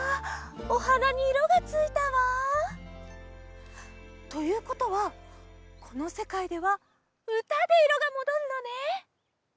おはなにいろがついたわ。ということはこのせかいではうたでいろがもどるのね。